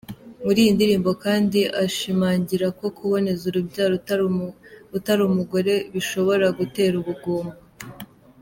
Muri iyi ndirimbo kandi, ashimangira ko kuboneza urubyaro utari umugore bishobora gutera ubugumba.